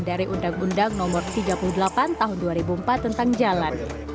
dari undang undang nomor tiga puluh delapan tahun dua ribu empat tentang jalan